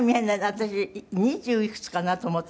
私二十いくつかなと思ってた。